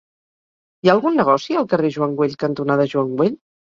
Hi ha algun negoci al carrer Joan Güell cantonada Joan Güell?